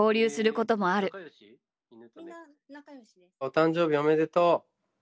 「お誕生日おめでとう」。